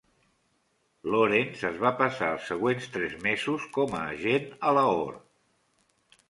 Lawrence es va passar els següents tres mesos com a agent a Lahore.